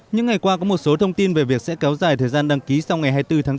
những ngày qua có một số thông tin về việc sẽ kéo dài thời gian đăng ký sau ngày hai mươi bốn tháng năm